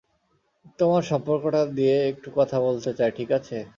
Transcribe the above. তোমাদের সম্পর্কটা নিয়ে একটু কথা বলতে চাই, ঠিক আছে?